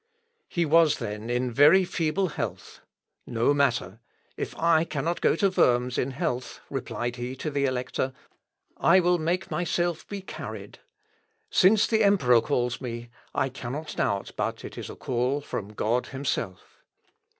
He was then in very feeble health; no matter. "If I cannot go to Worms in health," replied he to the Elector, "I will make myself be carried; since the emperor calls me, I cannot doubt but it is a call from God himself.